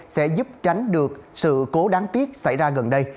sẽ giúp tránh được sự cố đáng tiếc xảy ra gần đây